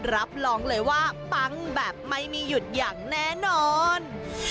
รับรองเลยว่าปังแบบไม่มีหยุดอย่างแน่นอน